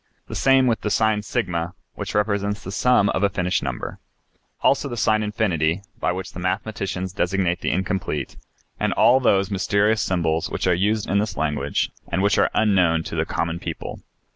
The same with the sign S, which represents the sum of a finished number. Also the sign 8, by which the mathematicians designate the incomplete, and all those mysterious symbols which are used in this language and which are unknown to the common people.